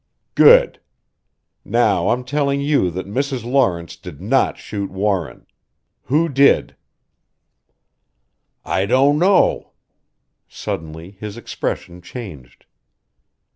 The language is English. "Good. Now I'm telling you that Mrs. Lawrence did not shoot Warren. Who did?" "I don't know " Suddenly his expression changed.